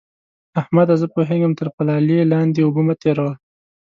احمده! زه پوهېږم؛ تر پلالې لاندې اوبه مه تېروه.